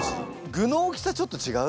具の大きさちょっと違う？